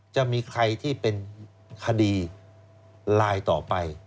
จะมีใครที่เป็นคดีลายต่อไป